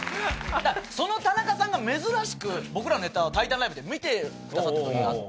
その田中さんが珍しく僕らのネタをタイタンライブで見てくださった時があって。